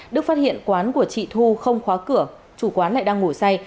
đức phát hiện quán của chị thu không khóa cửa chủ quán lại đang ngủ say